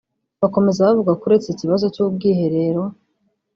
Bakomeza bavuga ko uretse ikibazo cy’ubwiherero